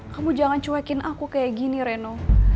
kamu jangan cuekin aku kayak gini reno